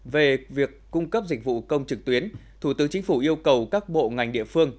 về việc cung cấp dịch vụ công trực tuyến thủ tướng chính phủ yêu cầu các bộ ngành địa phương